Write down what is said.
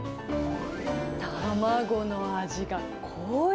卵の味が濃い。